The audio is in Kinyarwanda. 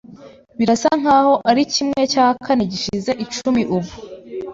Birasa nkaho ari kimwe cya kane gishize icumi ubu.